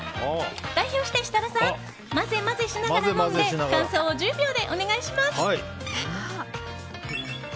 代表して設楽さん混ぜ混ぜしながら飲んで感想を１０秒でお願いします。